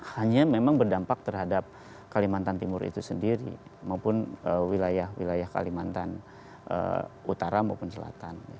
hanya memang berdampak terhadap kalimantan timur itu sendiri maupun wilayah wilayah kalimantan utara maupun selatan